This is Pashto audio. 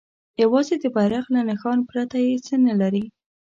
یوازې د بیرغ له نښان پرته یې څه نه لري.